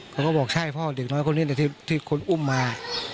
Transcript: เขาบอกใช่พ่อเด็กน้อยคนนี้ที่คนอุ้มมา